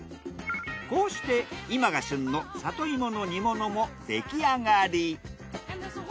こうして今が旬の里芋の煮物もできあがり。